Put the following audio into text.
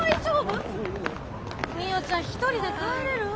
みよちゃん１人で帰れる？